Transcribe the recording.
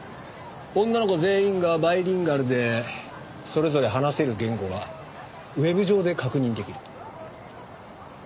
女の子全員がバイリンガルでそれぞれ話せる言語はウェブ上で確認できる。